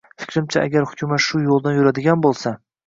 Fikrimcha, agar Hukumat shu yo‘ldan yuradigan bo‘lsa